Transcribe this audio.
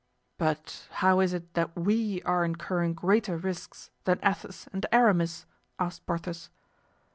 '" "But how is it that we are incurring greater risks than Athos and Aramis?" asked Porthos.